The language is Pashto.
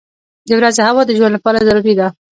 • د ورځې هوا د ژوند لپاره ضروري ده.